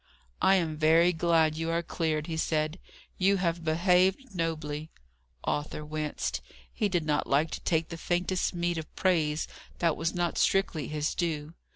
"I am very glad you are cleared," he said. "You have behaved nobly." Arthur winced. He did not like to take the faintest meed of praise that was not strictly his due.